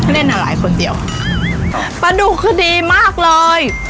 เล่นอะไรคนเดียวปลาดุกคือดีมากเลย